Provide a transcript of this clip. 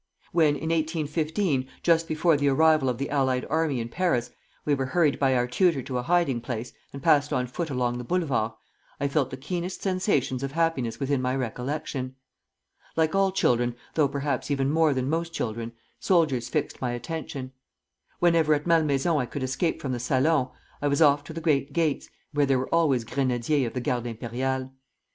When, in 1815, just before the arrival of the allied army in Paris, we were hurried by our tutor to a hiding place, and passed on foot along the Boulevards, I felt the keenest sensations of happiness within my recollection. Like all children, though perhaps even more than most children, soldiers fixed my attention. Whenever at Malmaison I could escape from the salon, I was off to the great gates, where there were always grenadiers of the Garde Impériale.